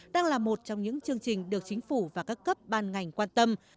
đang là một trong những chương trình được chính phủ và các cấp ban ngành quan tâm